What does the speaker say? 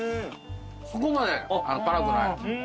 そこまで辛くない。